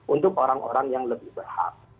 untuk orang orang yang lebih berhak